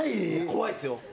怖いっすよ。